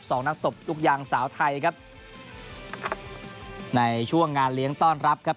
สองนักตบลูกยางสาวไทยครับในช่วงงานเลี้ยงต้อนรับครับ